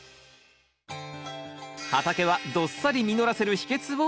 畑はどっさり実らせる秘けつを紹介！